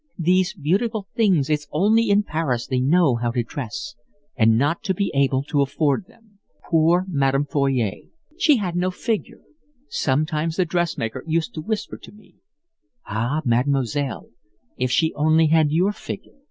"These beautiful things, it's only in Paris they know how to dress, and not to be able to afford them! Poor Madame Foyot, she had no figure. Sometimes the dressmaker used to whisper to me: 'Ah, Mademoiselle, if she only had your figure.